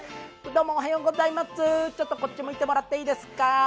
どうも、おはようございます、ちょっとこっち向いてもらっていいですか？